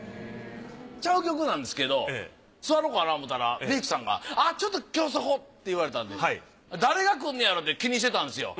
ちゃう局なんですけど座ろうかな思うたらメイクさんが「あっちょっと今日そこ」って言われたんで誰が来んねやろって気にしてたんですよ。